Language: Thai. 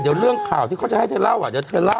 เดี๋ยวเรื่องข่าวที่เขาจะให้เธอเล่าอ่ะเดี๋ยวเธอเล่า